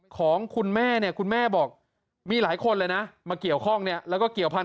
ของคุณแม่เนี่ยคุณแม่บอกมีหลายคนเลยนะมาเกี่ยวข้องเนี่ยแล้วก็เกี่ยวพันธ